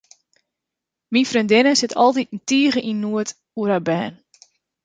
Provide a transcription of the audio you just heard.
Myn freondinne sit altiten tige yn noed oer har bern.